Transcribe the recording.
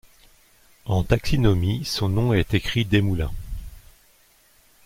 En taxinomie, son nom est écrit Des Moulins.